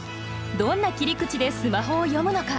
どんな切り口でスマホを詠むのか。